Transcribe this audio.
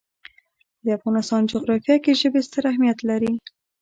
د افغانستان جغرافیه کې ژبې ستر اهمیت لري.